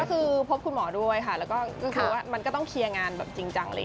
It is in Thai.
ก็คือพบคุณหมอด้วยค่ะแล้วก็คือว่ามันก็ต้องเคลียร์งานแบบจริงจัง